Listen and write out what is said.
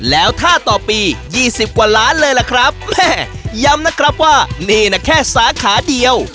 แล้วท่าต่อปี๒๐กว่าล้านเลยล่ะครับแม่ย้ำนะครับว่านี่นะแค่สาขาเดียว